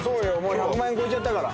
１００万円超えちゃったから。